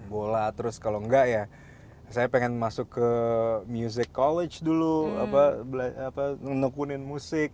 bola terus kalau enggak ya saya pengen masuk ke music college dulu nekunin musik